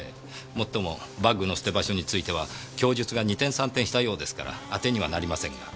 もっともバッグの捨て場所については供述が二転三転したようですからあてにはなりませんが。